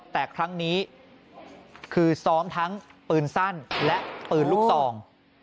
แต่ครั้งนี้คือซ้อมทั้งปืนสั้นและปืนลูกซอง